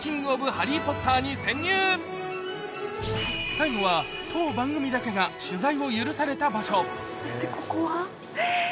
最後は当番組だけが取材を許された場所そしてここは？え！